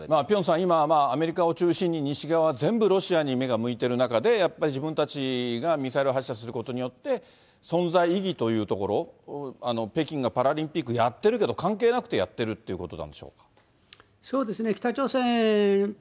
ピョンさん、今、アメリカを中心に西側、全部ロシアに目が向いてる中で、やっぱり自分たちがミサイル発射することによって、存在意義というところ、北京がパラリンピックやってるけど、関係なくてやってるっていう